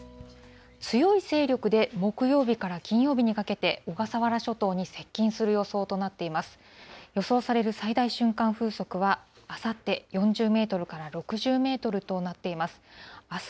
強い勢力で、木曜日から金曜日にかけて、小笠原諸島に接近する予想となっています。